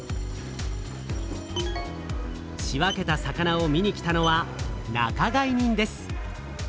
仕分けた魚を見に来たのは仲買人です。